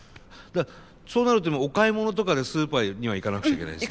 そうなるとでもお買い物とかでスーパーには行かなくちゃいけないですね。